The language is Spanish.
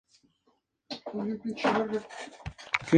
No lo entiendo".